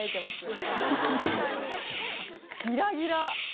ギラギラ。